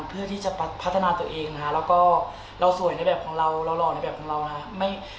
เพื่อที่จะพัฒนาตัวเองนะฮะแล้วก็เราสวยในแบบของเราเราหล่อในแบบของเรานะครับ